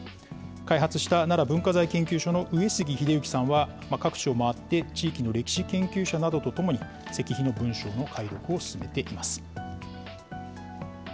開発した奈良文化財研究所の上椙英之さんは、各地を回って、地域の歴史研究者などと共に、石碑の文章の解読を進めています。